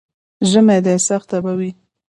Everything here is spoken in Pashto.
ژمی دی، سخته به وي.